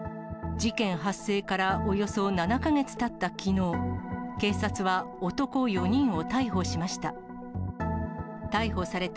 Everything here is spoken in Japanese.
事件発生からおよそ７か月たったきのう、警察は男４人を逮捕しました。